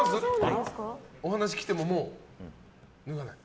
お話来てももうやらない？